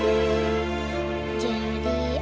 jadi anak yang bahagia